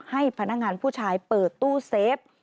ให้พนักงานผู้ชายเปิดตู้เซฟ